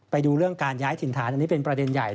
ไปดูเรื่องการย้ายถิ่นฐานอันนี้เป็นประเด็นใหญ่